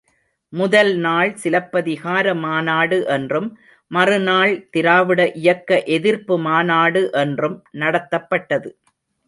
முதல் நாள் சிலப்பதிகார மாநாடு என்றும் மறுநாள் திராவிட இயக்க எதிர்ப்பு மாநாடு என்றும் நடத்தப்பட்டது.